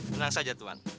tenang saja tuan